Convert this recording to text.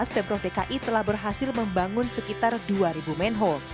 pemprov dki telah berhasil membangun sekitar dua ribu manhole